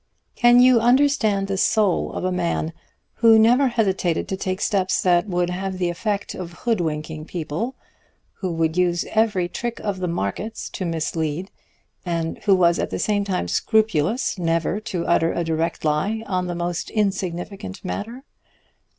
Can you understand the soul of a man who never hesitated to take steps that would have the effect of hoodwinking people, who would use every trick of the markets to mislead, and who was at the same time scrupulous never to utter a direct lie on the most insignificant matter?